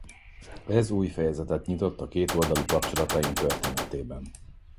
Ez új fejezetet nyitott a kétoldalú kapcsolataink történetében.